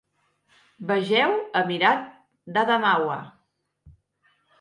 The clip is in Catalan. Vegeu Emirat d'Adamaua.